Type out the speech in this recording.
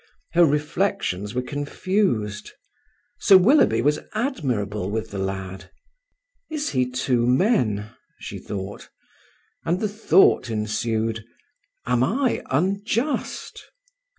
Her reflections were confused. Sir Willoughby was admirable with the lad. "Is he two men?" she thought; and the thought ensued, "Am I unjust?"